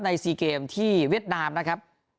๔เกมที่เวียดนามนะครับ